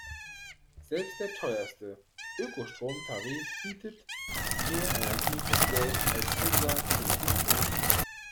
Selbst der teuerste Ökostromtarif bietet mehr Energie fürs Geld als unser täglich Brot.